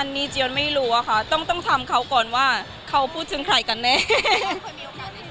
อันนี้เจียนไม่รู้อะค่ะต้องทำเขาก่อนว่าเขาพูดถึงใครกันแน่